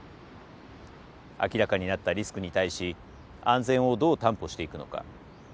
明らかになったリスクに対し安全をどう担保していくのか。